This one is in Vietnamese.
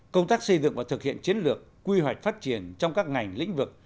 công tác xây dựng và thực hiện chiến lược quy hoạch phát triển trong các ngành lĩnh vực